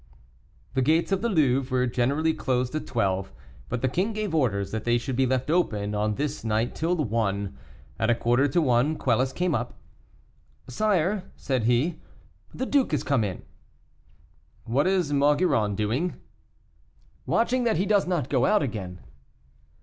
The gates of the Louvre were generally closed at twelve, but the king gave orders that they should be left open on this night till one. At a quarter to one Quelus came up. "Sire," said he, "the duke has come in." "What is Maugiron doing?" "Watching that he does not go out again."